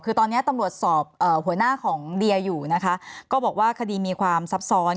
คือตอนนี้ตำรวจสอบหัวหน้าของเดียอยู่นะคะก็บอกว่าคดีมีความซับซ้อน